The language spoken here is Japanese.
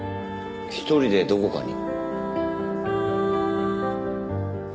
一人でどこかに。